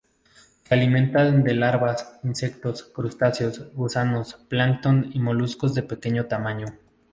Se alimenta de larvas, insectos, crustáceos, gusanos, plancton y moluscos de pequeño tamaño.